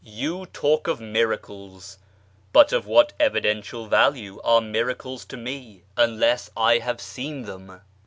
You talk of miracles ; but of what evidential value are miracles to me, unless I have seen them